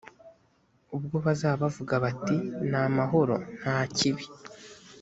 ubwo bazaba bavuga bati ni amahoro nta kibi